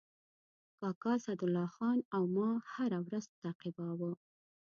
کاکا اسدالله خان او ما هره ورځ تعقیباوه.